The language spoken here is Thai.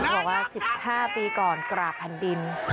หัวว่า๑๕ปีก่อนกราบพันธุ์ดิน